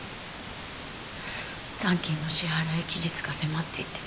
残金の支払期日が迫っていて。